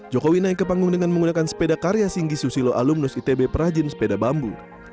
jokowi naik ke panggung dengan menggunakan sepeda karya singgi susilo alumnus itb perajin sepeda bambu